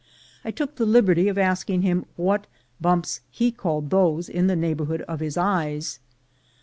I took the liberty of asking him what bumps he called those in the neighborhood of his eyes.